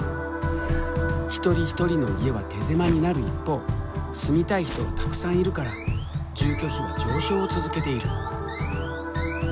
一人一人の家は手狭になる一方住みたい人はたくさんいるから住居費は上昇を続けている。